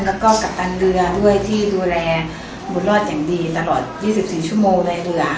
แล้วก็กัปตันเรือด้วยที่ดูแลบุญรอดอย่างดีตลอด๒๔ชั่วโมงในเรือ